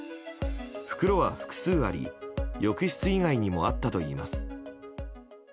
袋は複数あり浴室以外にもあったといいます。